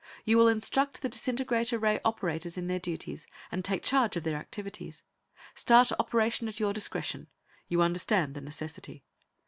You will instruct the disintegrator ray operators in their duties, and take charge of their activities. Start operation at your discretion; you understand the necessity."